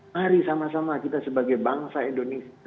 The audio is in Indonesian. mari sama sama kita sebagai bangsa indonesia